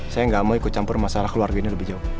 saya nggak mau ikut campur masalah keluarga ini lebih jauh